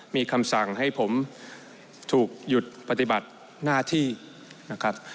มีคำสั่งให้ผมถูกหยุดปฏิบัติหน้าที่นะครับ